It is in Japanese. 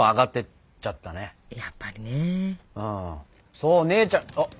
そう姉ちゃんあ！